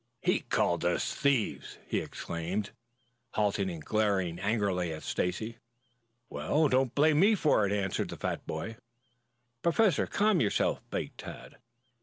"He called us thieves!" he exclaimed, halting and glaring angrily at Stacy. "Well, don't blame me for it," answered the fat boy. "Professor, calm yourself," begged Tad.